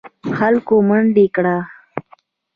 خلکو منډه کړه.